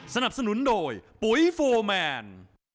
สนับสนุนโดยปุ๋ยโฟร์แมน